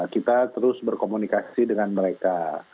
kita terus berkomunikasi dengan mereka